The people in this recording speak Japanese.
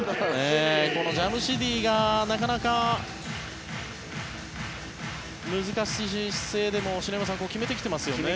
このジャムシディがなかなか難しい姿勢でも篠山さん決めてきてますよね。